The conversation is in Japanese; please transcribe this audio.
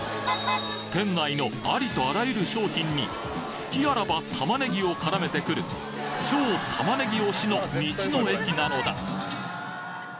店内のありとあらゆる商品に隙あらば玉ねぎを絡めてくる超玉ねぎ推しの道の駅なのだ！